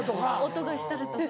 音がしたらとか。